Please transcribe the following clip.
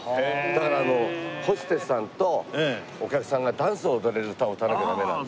だからあのホステスさんとお客さんがダンスを踊れる歌を歌わなきゃダメなんで。